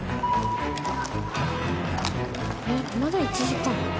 えっまだ１時間。